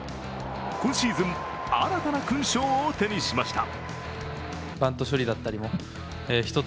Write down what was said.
今シーズン新たな勲章を手にしました。